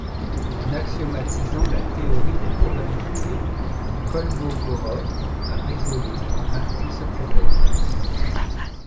En axiomatisant la théorie des probabilités, Kolmogorov a résolu en partie ce problème.